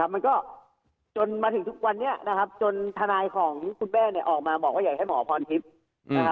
มันก็จนมาถึงทุกวันนี้นะครับจนทนายของคุณแม่เนี่ยออกมาบอกว่าอยากให้หมอพรทิพย์นะครับ